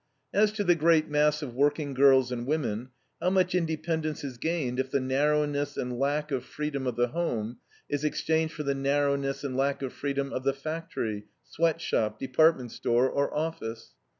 As to the great mass of working girls and women, how much independence is gained if the narrowness and lack of freedom of the home is exchanged for the narrowness and lack of freedom of the factory, sweat shop, department store, or office?